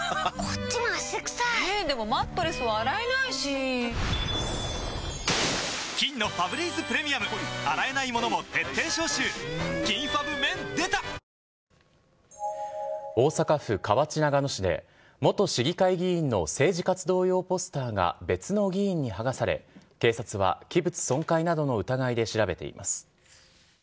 移民の多くは、アフガニスタンやシリアなどの出身で、大阪府河内長野市で元市議会議員の政治活動用ポスターが別の議員に剥がされ、警察は器物損壊などの疑いで調べています。